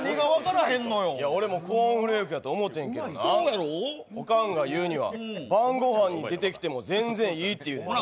俺もコーンフレークやと思うねんけどなおかんが言うには晩ごはんに出てきても全然いいと言うねんな。